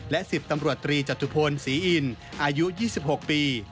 และ๑๐ตำรวจตรีจตุพลศรีอินอายุ๒๖ปี